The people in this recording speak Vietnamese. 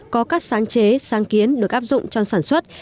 có các sáng chế sáng kiến được áp dụng trong sản xuất